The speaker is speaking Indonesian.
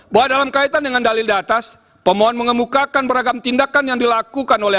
bahwa dalam kaitan dengan dalil di atas pemohon mengemukakan beragam tindakan yang dilakukan oleh